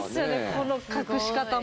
この隠し方も。